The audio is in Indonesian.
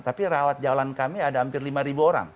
tapi rawat jalan kami ada hampir lima orang